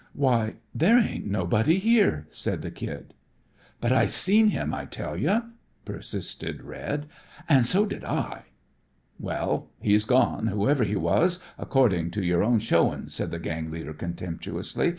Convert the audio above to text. "Why, there ain't nobody here," said the Kid. "But I seen him I tell you," persisted Red. "And so did I." "Well, he's gone, whoever he was, accordin' to your own showin'," said the gang leader contemptuously.